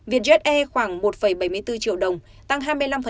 việt jet air khoảng một bảy mươi bốn triệu đồng tăng hai mươi năm